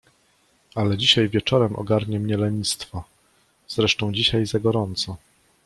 Ale dzisiaj wieczorem ogarnie mnie lenistwo… zresztą dzisiaj za gorąco!